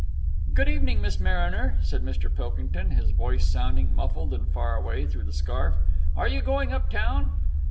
"Good evening, Miss Mariner," said Mr. Pilkington, his voice sounding muffled and far away through the scarf. "Are you going up town?"